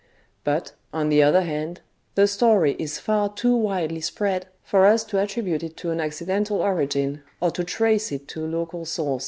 But, on the other hand, the story is far too widely spread for us to attribute it to an accidental origin, or to trace it to a local source.